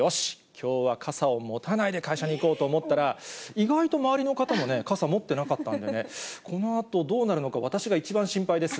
きょうは傘を持たないで会社にいこうと思ったら意外と周りの方も傘持ってなかったんでね、このあとどうなるのか、私が一番心配です。